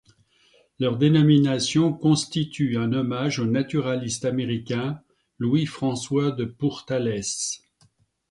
Leur dénomination constitue un hommage au naturaliste américain Louis François de Pourtalès.